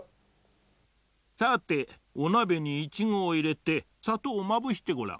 さておなべにイチゴをいれてさとうをまぶしてごらん。